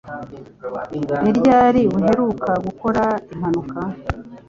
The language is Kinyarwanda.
Ni ryari uheruka gukora impanuka?